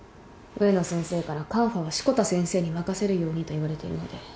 植野先生からカンファは志子田先生に任せるようにと言われているので。